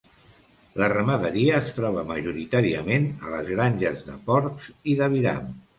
La ramaderia es troba majoritàriament a les granges de porcs i d'aviram.